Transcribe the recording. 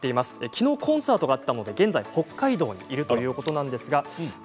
きのう、コンサートがあったので現在、北海道にいるということです。